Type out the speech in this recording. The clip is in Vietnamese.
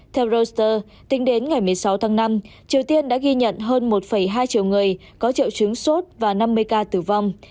theo roster tính đến ngày một mươi sáu tháng năm triều tiên đã ghi nhận hơn một hai triệu người có triệu chứng sốt và năm mươi ca tử vong